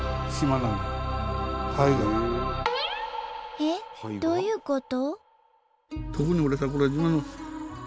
えっ？どういうこと？